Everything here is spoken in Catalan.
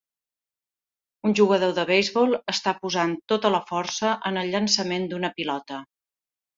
Un jugador de beisbol està posant tota la força en el llançament d'una pilota.